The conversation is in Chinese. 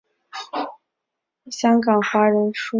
后来一同入读香港华仁书院。